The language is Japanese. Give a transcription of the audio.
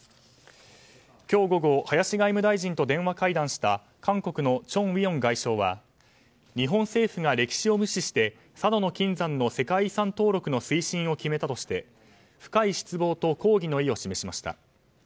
今日午後林外務大臣と電話会談した韓国のチョン・ウィヨン外相は日本政府が歴史を無視して佐渡島の金山の世界遺産登録の推進を決めたとして深い失望と抗議の意を示しました。